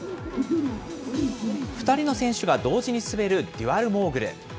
２人の選手が同時に滑るデュアルモーグル。